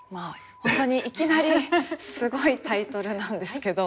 本当にいきなりすごいタイトルなんですけど。